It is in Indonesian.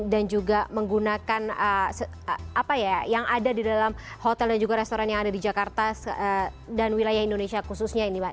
dan juga menggunakan yang ada di dalam hotel dan juga restoran yang ada di jakarta dan wilayah indonesia khususnya ini pak